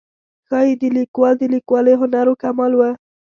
ښایي د لیکوال د لیکوالۍ هنر و کمال و.